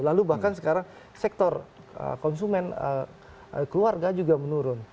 lalu bahkan sekarang sektor konsumen keluarga juga menurun